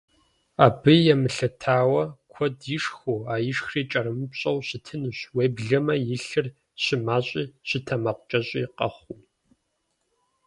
Абыи емылъытауэ, куэд ишхыу, а ишхри кӀэрымыпщӀэу щытынущ, уеблэмэ и лъыр щымащӀи щытэмакъкӀэщӀи къэхъуу.